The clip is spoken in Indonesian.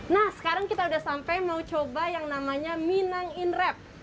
nah sekarang kita udah sampai mau coba yang namanya minang in rap